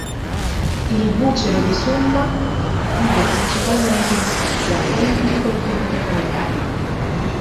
Il bucero di Sumba vive principalmente in coppia o in piccoli gruppi familiari.